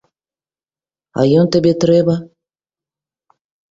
А ён табе трэба?